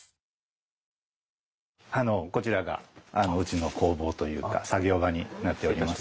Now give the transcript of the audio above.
あのこちらがうちの工房というか作業場になっております。